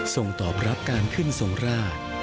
ส่งตอบรับการขึ้นทรงราช